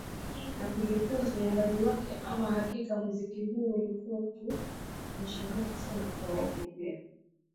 na kujifunza uimbaji wake Ama hakika muziki huu ulikuwa ukinishangaza sana Kwa wengi pia